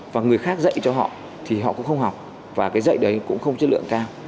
và người khác dạy cho họ thì họ cũng không học và cái dạy đấy cũng không chất lượng cao